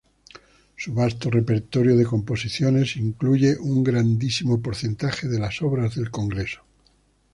Su vasto repertorio de composiciones incluye un grandísimo porcentaje de las obras de Congreso.